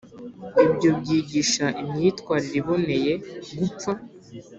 ibyo byigisha imyitwarire iboneye gupfa.